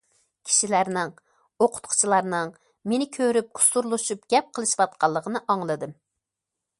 كىشىلەرنىڭ، ئوقۇتقۇچىلارنىڭ مېنى كۆرۈپ كۇسۇرلىشىپ گەپ قىلىشىۋاتقانلىقىنى ئاڭلىدىم.